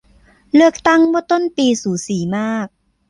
เลือกตั้งเมื่อต้นปีสูสีมาก